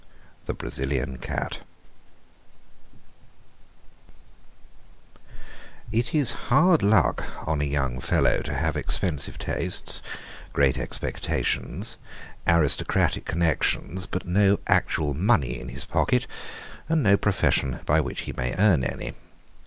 The Brazilian Cat It is hard luck on a young fellow to have expensive tastes, great expectations, aristocratic connections, but no actual money in his pocket, and no profession by which he may earn any.